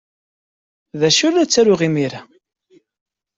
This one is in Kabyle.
D acu la ttaruɣ imir-a?